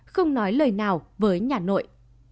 không nói lời nào với nhà nội